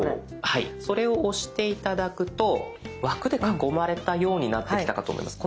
はいそれを押して頂くと枠で囲まれたようになってきたかと思います。